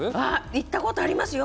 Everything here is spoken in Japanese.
行ったことがありますよ。